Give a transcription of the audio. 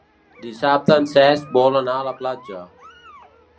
Dissabte en Cesc vol anar a la platja.